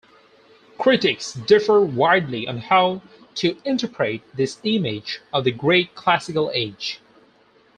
Critics differ widely on how to interpret this image of the Greek classical age.